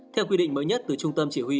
theo quy định mới nhất từ trung tâm chỉ huy